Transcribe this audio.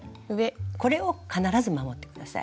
これを必ず守って下さい。